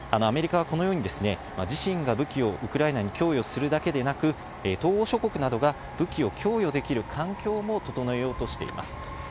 アメリカはこのように、自身が武器をウクライナに供与するだけでなく、東欧諸国などが武器を供与できる環境も整えようとしています。